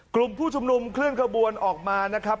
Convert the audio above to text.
กลุ่มผู้ชุมนุมเคลื่อนขบวนออกมานะครับ